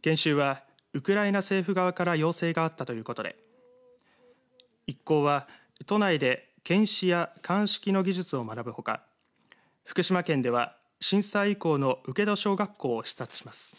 研修は、ウクライナ政府側から要請があったということで一行は都内で検視や鑑識の技術を学ぶほか福島県では、震災以降の池田小学校を視察します。